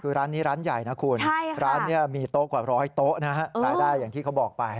คือร้านนี้ร้านใหญ่นะคุณร้านนี้มีโต๊ะกว่าร้อยโต๊ะนะฮะรายได้อย่างที่เขาบอกไป